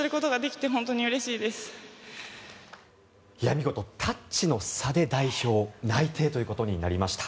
見事、タッチの差で代表内定となりました。